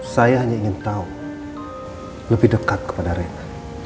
saya hanya ingin tahu lebih dekat kepada mereka